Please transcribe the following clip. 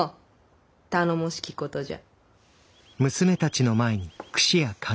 頼もしきことじゃ。